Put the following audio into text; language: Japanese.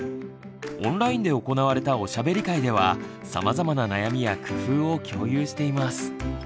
オンラインで行われたおしゃべり会ではさまざまな悩みや工夫を共有しています。